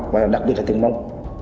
và đặc biệt là tiếng mông